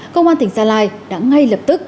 công an tỉnh sa lai đã ngay lập tức